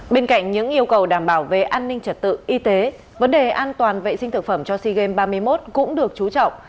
bên cạnh những yêu cầu đảm bảo về an ninh trật tự y tế vấn đề an toàn vệ sinh thực phẩm cho sea games ba mươi một cũng được chú trọng